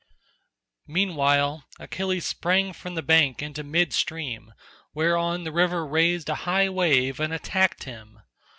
Meanwhile Achilles sprang from the bank into mid stream, whereon the river raised a high wave and attacked him.